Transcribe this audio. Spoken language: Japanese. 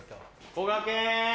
こがけん！